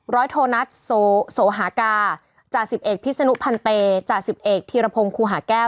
โทนัสโสหากาจ่าสิบเอกพิษนุพันเปย์จ่าสิบเอกธีรพงศ์ครูหาแก้ว